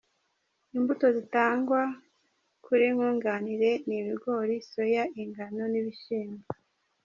Imbuto zitangwa kuri Nkunganire ni ibigori, soya, ingano n’ibishyimbo.